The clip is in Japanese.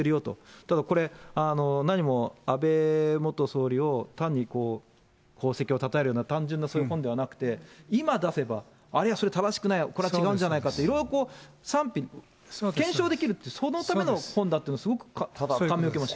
ただこれ、何も安倍元総理を単に功績をたたえるような、単純なそういう本ではなくて、今、出せばあれはそれは正しくない、これは違うんじゃないかって、いろいろ賛否、検証できるって、そのための本だっていうのは、すごく感銘受けました。